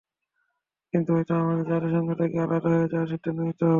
কিন্তু হয়তো আমাদের জাতিসংঘ থেকে আলাদা হয়ে যাওয়ার সিদ্ধান্ত নিতে হবে।